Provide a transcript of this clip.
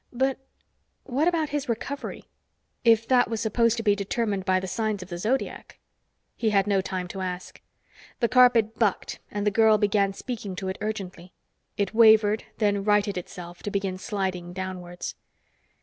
But what about his recovery, if that was supposed to be determined by the signs of the zodiac? He had no time to ask. The carpet bucked, and the girl began speaking to it urgently. It wavered, then righted itself, to begin sliding downwards.